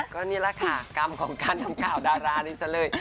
ก็นี่แหละค่ะกรรมของการทำข่าวดารานี้ซะเลย